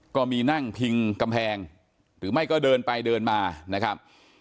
ก็มีนั่งพิงกำแพงหรือไม่ก็เดินไปเดินมานะครับ